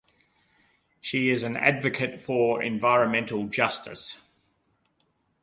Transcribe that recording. She is an advocate for environmental justice.